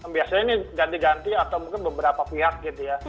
biasanya ini ganti ganti atau mungkin beberapa pihak gitu ya